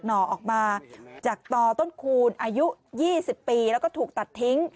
ห่อออกมาจากต่อต้นคูณอายุ๒๐ปีแล้วก็ถูกตัดทิ้ง